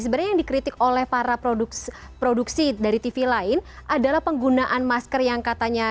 sebenarnya yang dikritik oleh para produksi dari tv lain adalah penggunaan masker yang katanya